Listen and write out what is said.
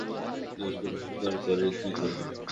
জোর করে অহংকার করে কী করব?